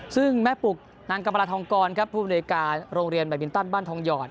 ซึ่งแม่ปุกนางกรรมราทองกรครับผู้บริการโรงเรียนแบตมินตันบ้านทองหยอด